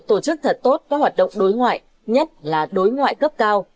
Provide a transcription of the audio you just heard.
tổ chức thật tốt các hoạt động đối ngoại nhất là đối ngoại cấp cao